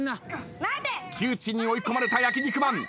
窮地に追い込まれた焼肉マン。